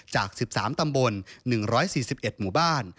จาก๑๓ตำบล๑๔๑หมู่บ้าน